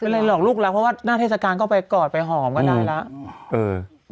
อะไรหลอกลูกแล้วเพราะว่าหน้าเทศกาลก็ไปกอดไปหอมก็ได้แล้ว